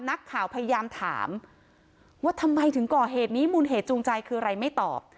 นักข่าวพยายามถามว่าทำไมถึงก่อเหตุนี้มูลเหตุจูงใจคืออะไรไม่ตอบ